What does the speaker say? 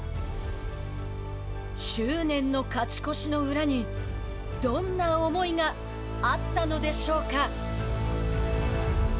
執念の勝ち越しの裏にどんな思いがあったのでしょうか。